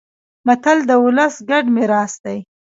متل د ولس ګډ میراث دی